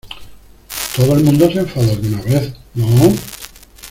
todo el mundo se enfada alguna vez, ¿ no?